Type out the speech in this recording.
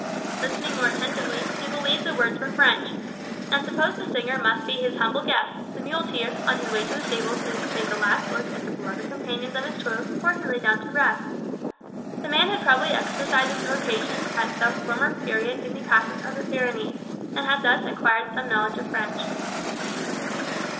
Listening more attentively, he believed the words were French, and supposed the singer must be his humble guest, the muleteer, on his way to the stable to take a last look at the beloved companions of his toils before he lay down to rest. The man had probably exercised his vocation at some former period in the passes of the Pyrenees, and had thus acquired some knowledge of French.